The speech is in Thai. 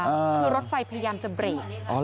คือรถไฟพยายามจะเบรก